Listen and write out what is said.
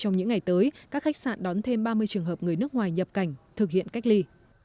nhiều người nước ngoài nhập cảnh thực hiện cách ly